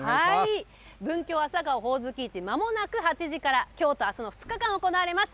文京朝顔・ほおずき市、まもなく８時から、きょうとあすの２日間、行われます。